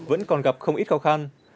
vẫn còn gặp không ít khó khăn